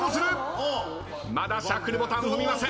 まだシャッフルボタン踏みません。